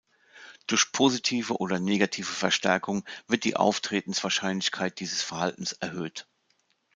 Durch positive oder negative Verstärkung wird die Auftretenswahrscheinlichkeit dieses Verhaltens erhöht.